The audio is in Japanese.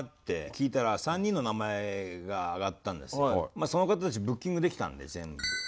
まあその方たちブッキングできたんで全員。